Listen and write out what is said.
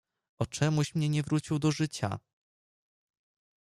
"O czemuś mnie wrócił do życia?"